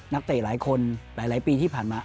เตะหลายคนหลายปีที่ผ่านมา